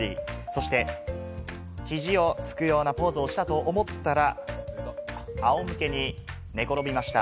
そして、肘をつくようなポーズをしたと思ったら、あおむけに寝転びました。